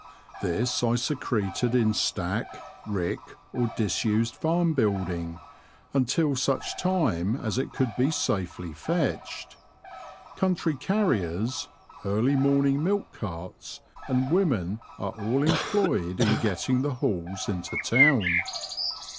This I secreted in stack, rick, or disused farm building, until such time as it could be safely fetched. Country carriers, early morning milk carts, and women are all employed in getting the hauls into town.